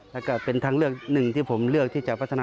เกี่ยวกับน้องถุงเท้า